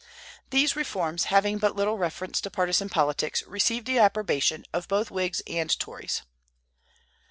These reforms, having but little reference to partisan politics, received the approbation of both Whigs and Tories.